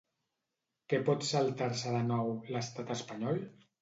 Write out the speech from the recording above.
Què pot saltar-se de nou, l'estat espanyol?